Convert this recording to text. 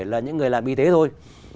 là những người làm y tế thôi